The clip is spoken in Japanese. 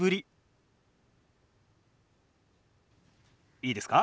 いいですか？